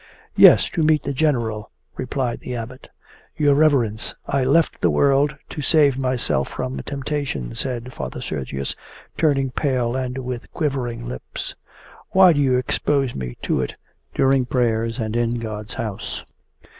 'Yes, to meet the General,' replied the Abbot. 'Your reverence, I left the world to save myself from temptation,' said Father Sergius, turning pale and with quivering lips. 'Why do you expose me to it during prayers and in God's house?